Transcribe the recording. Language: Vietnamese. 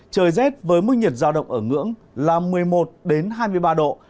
trời rét với mức nhiệt giao động ở ngưỡng là một mươi một hai mươi ba độ